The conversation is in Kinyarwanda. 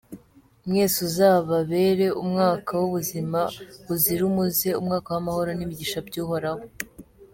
Mwese uzababere umwaka w’ubuzima buzira umuze, umwaka w’amahoro n’imigisha by’Uhoraho.